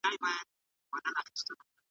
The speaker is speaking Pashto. پرون کاږه وو نن کاږه یو سبا نه سمیږو .